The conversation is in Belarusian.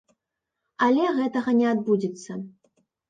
Але гэтага не адбудзецца.